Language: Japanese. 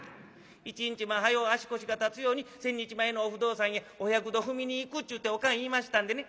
一日も早う足腰が立つように千日前のお不動さんへお百度踏みに行く』ちゅうておかん言いましたんでね